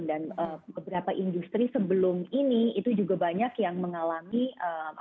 dan beberapa industri sebelum ini itu juga banyak yang mengalaminya